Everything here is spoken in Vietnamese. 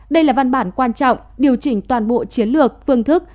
đây là văn bản quan trọng điều chỉnh toàn bộ chiến lược phương thức